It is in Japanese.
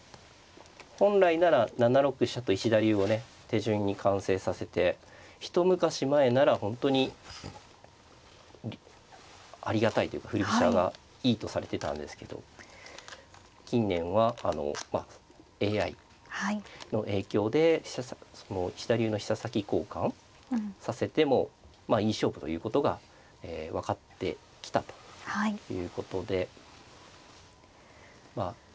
本来なら７六飛車と石田流をね手順に完成させて一昔前なら本当にありがたいというか振り飛車がいいとされてたんですけど近年はＡＩの影響で石田流の飛車先交換させてもまあいい勝負ということが分かってきたということでまあ